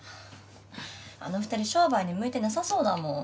あの２人商売に向いてなさそうだもん。